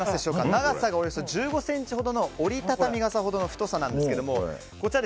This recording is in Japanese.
長さがおよそ１５ｃｍほどの折り畳み傘ほどの太さなんですがこちら、